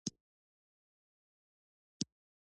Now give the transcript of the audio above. دوی په یو هیواد کې ژوند کوي.